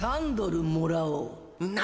何？